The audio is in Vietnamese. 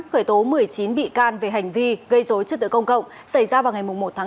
khởi tố một mươi chín bị can về hành vi gây dối chức tự công cộng xảy ra vào ngày một sáu